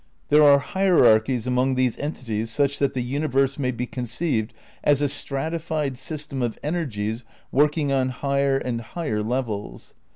There are hierar chies among these entities such that the universe may be conceived as a stratified system of energies working on higher and higher levels.